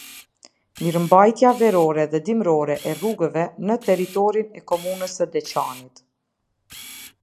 Mirëmbajtja verore dhe dimërore e rrugëve në teritorin e komunës së deçanit